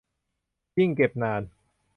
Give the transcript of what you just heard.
ยิ่งเก็บนาน